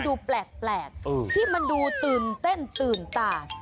ดูแปลกที่มันดูตื่นเต้นตื่นตา